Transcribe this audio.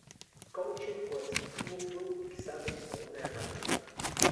Coaching coercitivo fue utilizado como una herramienta.